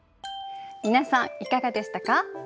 皆さんいかがでしたか？